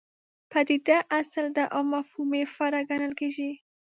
پدیده اصل ده او مفهوم یې فرع ګڼل کېږي.